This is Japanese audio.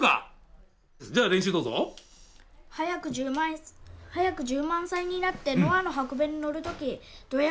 早く１０万早く１０万歳になってノアの箱舟に乗るときどや